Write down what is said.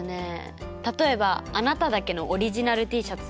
例えば「あなただけのオリジナルＴシャツを！